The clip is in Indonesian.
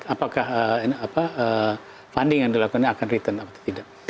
apakah funding yang dilakukan ini akan return atau tidak